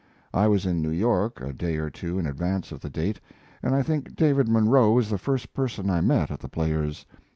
I was in New York a day or two in advance of the date, and I think David Munro was the first person I met at The Players.